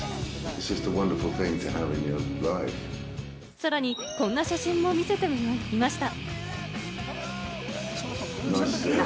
さらに、こんな写真も見せていました。